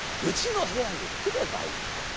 うちのへやにくればいいと。